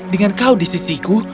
dengan kau di sisiku